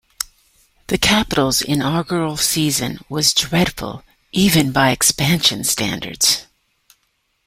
The Capitals' inaugural season was dreadful, even by expansion standards.